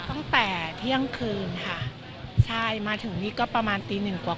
ตั้งแต่เที่ยงคืนค่ะใช่มาถึงนี่ก็ประมาณตีหนึ่งกว่า